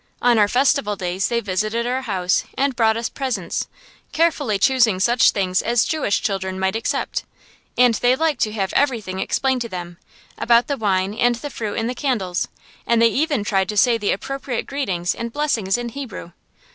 On our festival days they visited our house and brought us presents, carefully choosing such things as Jewish children might accept; and they liked to have everything explained to them, about the wine and the fruit and the candles, and they even tried to say the appropriate greetings and blessings in Hebrew.